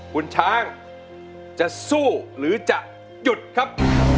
คุณช้างจะสู้หรือจะหยุดครับ